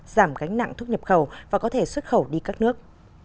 giảm gánh nặng thuốc nhập khẩu và có thể xuất khẩu đi các nước